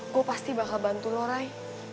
gue pasti bakal bantu lo rey